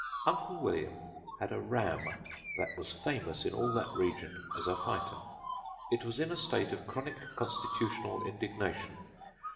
"Uncle William had a ram that was famous in all that region as a fighter. It was in a state of chronic constitutional indignation.